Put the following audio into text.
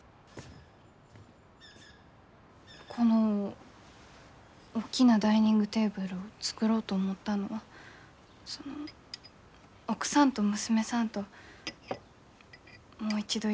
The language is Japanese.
この大きなダイニングテーブルを作ろうと思ったのはその奥さんと娘さんともう一度一緒に食卓を囲ん。